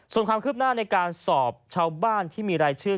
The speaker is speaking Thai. ส่วนความคืบหน้าในการสอบชาวบ้านที่มีรายชื่อ